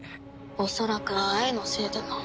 恐らくは愛のせいでな。